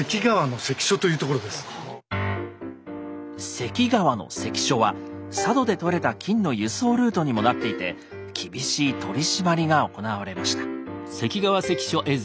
「関川の関所」は佐渡で採れた金の輸送ルートにもなっていて厳しい取締りが行われました。